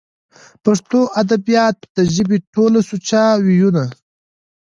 پښتو ادبيات د ژبې ټول سوچه وييونو